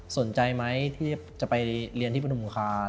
สนใจไหมที่จะไปเรียนที่ปฐุมคา